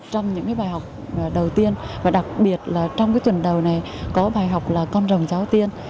trong những cái bài học đầu tiên và đặc biệt là trong cái tuần đầu này có bài học là con rồng cháu tiên